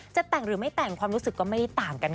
จะแต่งหรือไม่แต่งความรู้สึกก็ไม่ได้ต่างกัน